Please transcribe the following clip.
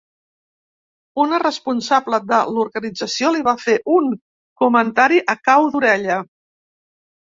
Una responsable de l’organització li va fer un comentari a cau d’orella.